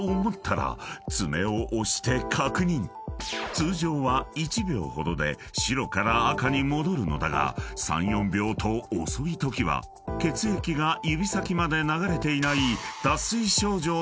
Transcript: ［通常は１秒ほどで白から赤に戻るのだが３４秒と遅いときは血液が指先まで流れていない］